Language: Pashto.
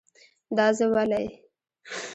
دا زه ولی؟